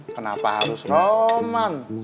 kenapa harus roman